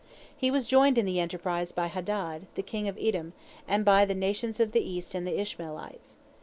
He was joined in the enterprise by Hadad, the king of Edom, and by the nations of the East and the Ishmaelites.